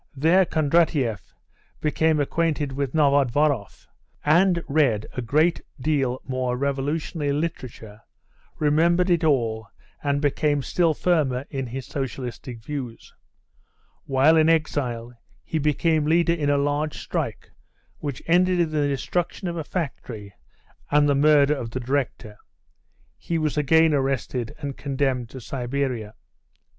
There Kondratieff became acquainted with Novodvoroff, and read a great deal more revolutionary literature, remembered it all, and became still firmer in his socialistic views. While in exile he became leader in a large strike, which ended in the destruction of a factory and the murder of the director. He was again arrested and condemned to Siberia.